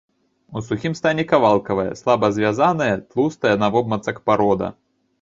У сухім стане кавалкавая, слаба звязаная, тлустая навобмацак парода.